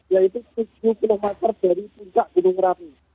yaitu tujuh kilometer dari puncak gunung merapi